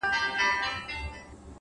د کوڅې ورو تګ د فکر سرعت کموي’